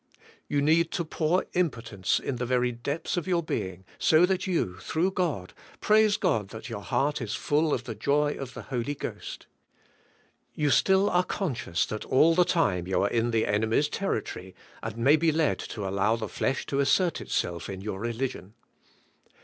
You need to pour impotence in the very depths of your being , so that 3'ou, through God, praise God that your heart is full of the joy of the Holy Ghost. You still are conscious that all the time you are in the enemies' territory, and may be led to allow the flesh to assert itself in your religion.